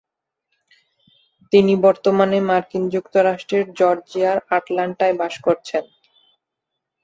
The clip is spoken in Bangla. তিনি বর্তমানে মার্কিন যুক্তরাষ্ট্রের জর্জিয়ার আটলান্টায় বাস করছেন।